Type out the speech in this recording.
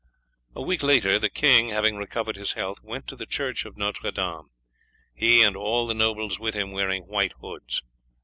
A week later the king, having recovered his health, went to the church of Notre Dame, he and all the nobles with him wearing white hoods.